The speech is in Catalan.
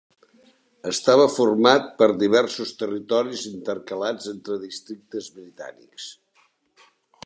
Estava format per diversos territoris intercalats entre districtes britànics.